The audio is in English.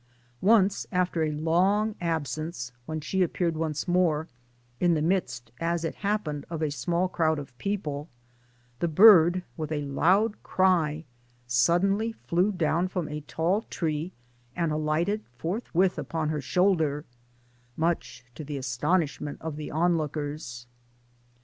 Once after a long absence, when she appeared once more in the midst, as it hap perix>l, of a small crowd of people the bird with a loud cry suddenly flew down from a tall tree and alighted forthwith upon her shoulder much to the astonishment of the onlookers.